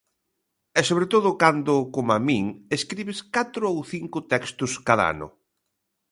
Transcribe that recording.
E sobre todo cando, coma min, escribes catro ou cinco textos cada ano.